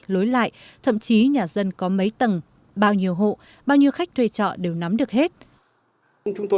lối lại thậm chí nhà dân có mấy tầng bao nhiêu hộ bao nhiêu khách thuê trọ đều nắm được hết